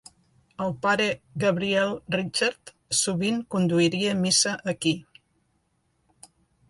El pare Gabriel Richard sovint conduiria Missa aquí.